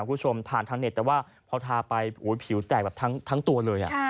คุณผู้ชมผ่านทางเน็ตแต่ว่าพอทาไปผิวแตกแบบทั้งตัวเลย